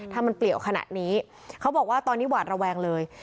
ถ้ามันเปลี่ยวขนาดนี้เขาบอกว่าตอนนี้หวาดระแวงเลย